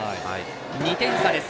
２点差です。